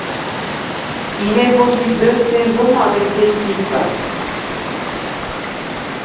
Il évolue deux saisons avec l'équipe.